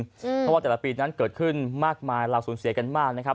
เพราะว่าแต่ละปีนั้นเกิดขึ้นมากมายเราสูญเสียกันมากนะครับ